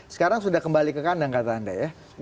sekarang sudah kembali ke kandang kata anda ya